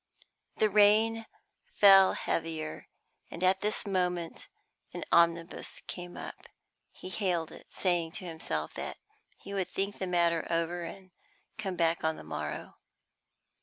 The rain fell heavier, and at this moment an omnibus came up. He hailed it, saying to himself that he would think the matter over and come back on the morrow.